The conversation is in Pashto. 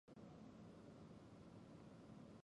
ښه چلند مو نوم همېشه ژوندی ساتي.